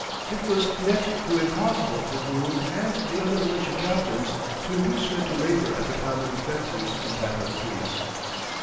It was next to impossible for Boone and the other militia captains to induce men to labor at the common defenses in time of peace.